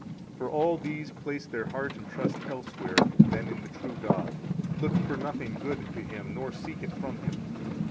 For all these place their heart and trust elsewhere than in the true God, look for nothing good to Him nor seek it from Him.